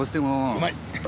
うまい！